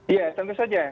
iya tentu saja